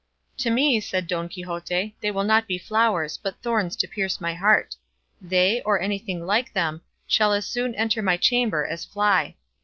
"To me," said Don Quixote, "they will not be flowers, but thorns to pierce my heart. They, or anything like them, shall as soon enter my chamber as fly.